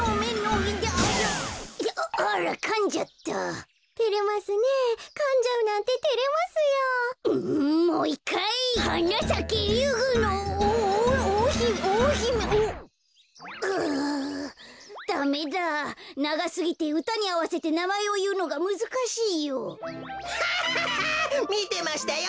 みてましたよ